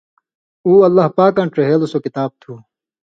اُو اللہ پاکاں ڇِہیلوۡ سو کتاب تُھُو